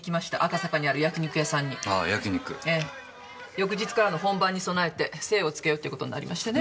翌日からの本番に備えて精をつけようってことになりましてね。